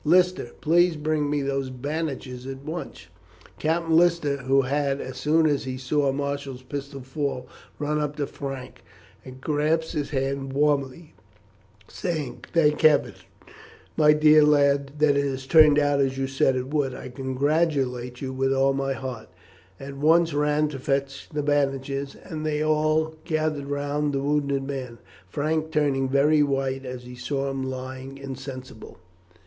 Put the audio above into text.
Lister, please bring me those bandages at once." Captain Lister, who had, as soon as he saw Marshall's pistol fall, run up to Frank and grasped his hand warmly, saying, "Thank heaven, my dear lad, that it has turned out as you said it would. I congratulate you with all my heart," at once ran to fetch the bandages, and they all gathered round the wounded man, Frank turning very white as he saw him lying insensible.